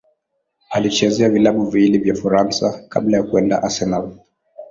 Alichezea vilabu viwili vya Ufaransa kabla ya kwenda Arsenal.